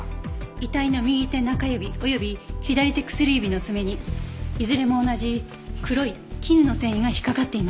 遺体の右手中指及び左手薬指の爪にいずれも同じ黒い絹の繊維が引っかかっていました。